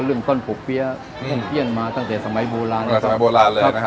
เริ่มต้นผูกเบี้ยพรุ่งเที่ยนมาตั้งแต่สมัยโบราณสมัยโบราณเลยนะครับ